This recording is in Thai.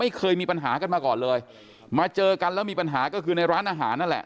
ไม่เคยมีปัญหากันมาก่อนเลยมาเจอกันแล้วมีปัญหาก็คือในร้านอาหารนั่นแหละ